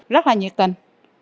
rất là nhiệt tình